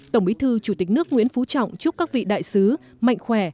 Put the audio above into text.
tổng bí thư chủ tịch nước nguyễn phú trọng chúc các vị đại sứ mạnh khỏe